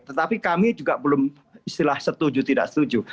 tetapi kami juga belum istilah setuju tidak setuju